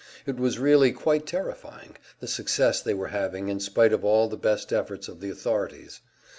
It was really quite terrifying, the success they were having, in spite of all the best efforts of the authorities.